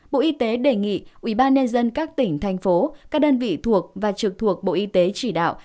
bộ y tế đề nghị ubnd các tỉnh thành phố các đơn vị thuộc và trực thuộc bộ y tế chỉ đạo